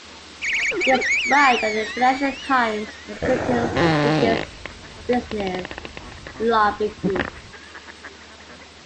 Described by the "Financial Times" as "Britain's biggest business lobby group".